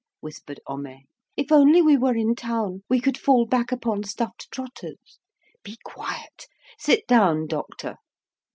whispered Homais. "If only we were in town, we could fall back upon stuffed trotters." "Be quiet! Sit down, doctor!"